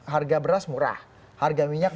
harga beras murah harga minyak